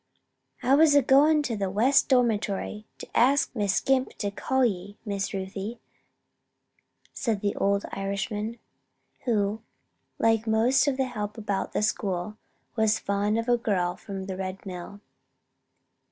"I was a goin' to the West Dormitory to ax Miss Scrimp for to call ye, Miss Ruthie," said the old Irishman, who like most of the help about the school was fond of the girl from the Red Mill.